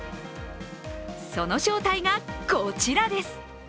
その正体が、こちらです。